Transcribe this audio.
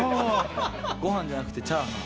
ごはんじゃなくてチャーハン。